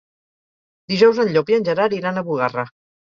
Dijous en Llop i en Gerard iran a Bugarra.